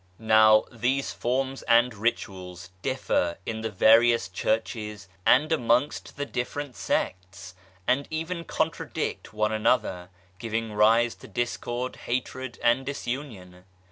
Now, these forms and rituals differ in the various Churches and amongst the different sects, and even contradict one another ; giving rise to discord, hatred, and disunion.